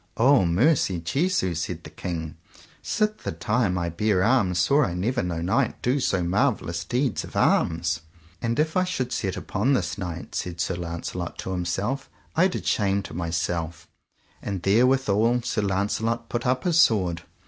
O mercy Jesu! said the king, sith the times I bare arms saw I never no knight do so marvellous deeds of arms. And if I should set upon this knight, said Sir Launcelot to himself, I did shame to myself, and therewithal Sir Launcelot put up his sword.